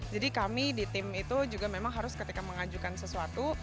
jadi kami di tim itu juga memang harus ketika mengajukan sesuatu